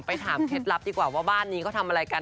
ถามเคล็ดลับดีกว่าว่าบ้านนี้เขาทำอะไรกัน